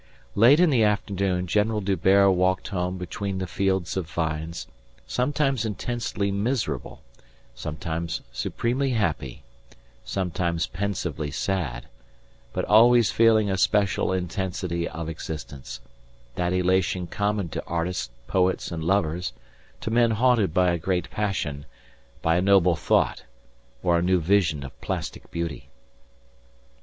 Late in the afternoon General D'Hubert walked home between the fields of vines, sometimes intensely miserable, sometimes supremely happy, sometimes pensively sad, but always feeling a special intensity of existence: that elation common to artists, poets, and lovers, to men haunted by a great passion, by a noble thought or a new vision of plastic beauty.